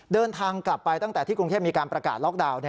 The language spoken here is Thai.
เดินทางกลับไปตั้งแต่ที่กรุงเทพมีการประกาศล็อกดาวน์